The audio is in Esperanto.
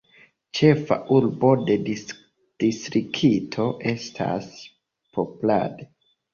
Ĉefa urbo de distrikto estas Poprad.